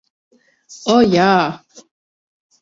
O, jā!